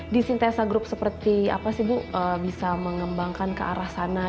di sintesa group seperti apa sih bu bisa mengembangkan ke arah sana